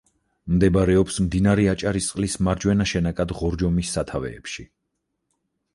მდებარეობს, მდინარე აჭარისწყლის მარჯვენა შენაკად ღორჯომის სათავეებში.